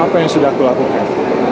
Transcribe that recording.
apa yang sudah aku lakukan